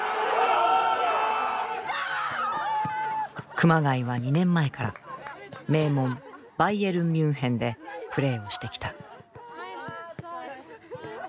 熊谷は２年前から名門バイエルンミュンヘンでプレーをしてきた。